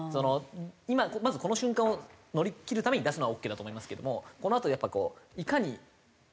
今まずこの瞬間を乗りきるために出すのはオーケーだと思いますけどもこのあとやっぱりこういかになんていうのかな？